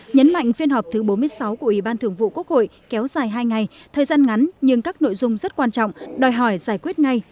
nhấn mạnh phiên họp thứ bốn mươi sáu của ủy ban thường vụ quốc hội kéo dài hai ngày thời gian ngắn nhưng các nội dung rất quan trọng đòi hỏi giải quyết ngay